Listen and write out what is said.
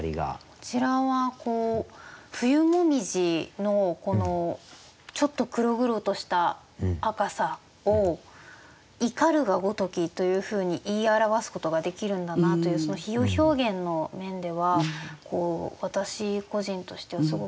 こちらはこう冬紅葉のちょっと黒々とした赤さを「怒るがごとき」というふうに言い表すことができるんだなというその比喩表現の面では私個人としてはすごく新鮮でした。